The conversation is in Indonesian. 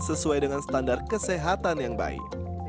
sesuai dengan standar kesehatan yang baik